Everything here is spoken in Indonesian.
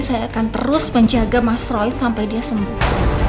saya akan terus menjaga mas roy sampai dia sembuh